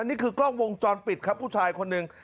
นี่คือกล้องวงจรปิดครับผู้ชายคนหนึ่ง